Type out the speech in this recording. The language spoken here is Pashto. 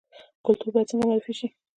کلتور باید څنګه معرفي شي؟